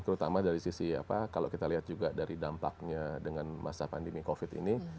terutama dari sisi apa kalau kita lihat juga dari dampaknya dengan masa pandemi covid ini